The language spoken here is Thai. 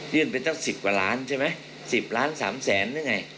ยื่นไปตั้ง๑๐กว่าล้านใช่ไหม๑๐ล้าน๓๐๐นี่ไง